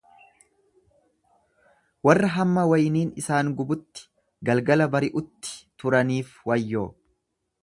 Warra hamma wayniin isaan gubutti galgala bari'utti turaniif wayyoo!